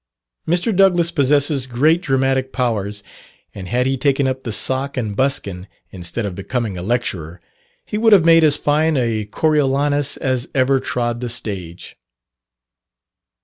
Mr. Douglass possesses great dramatic powers; and had he taken up the sock and buskin, instead of becoming a lecturer, he would have made as fine a Coriolanus as ever trod the stage.